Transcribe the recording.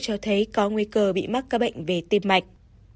dấu hiệu cho thấy có nguy cơ bị mắc các bệnh về tim mạch